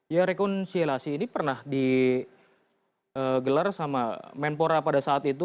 ya rekonsilasi ini pernah digelar sama menpora pada saat itu